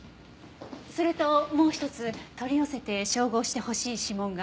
それともう一つ取り寄せて照合してほしい指紋が。